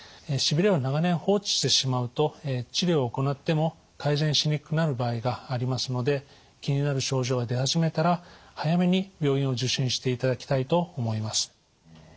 しびれを長年放置してしまうと治療を行っても改善しにくくなる場合がありますので気になる症状が出始めたら早めに病院を受診していただきたいと思います。